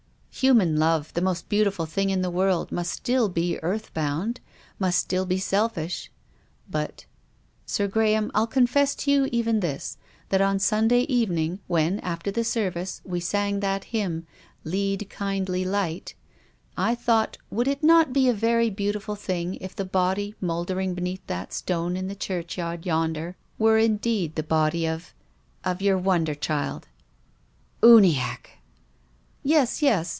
" Human love, the most beautiful thing in the world must still be earth bound, must still be selfish." " But—" " Sir Graham, I'll confess to you even this, that on Sunday evening, when, after the service, we sang that hymn, ' Lead, Kindly Light,' I thought THE GRAVE. 79 would it not be a very beautiful thing if the body mouldering beneath that stone in the churchyard yonder were indeed the body of — of your won der child." " Uniacke !"" Yes, yes.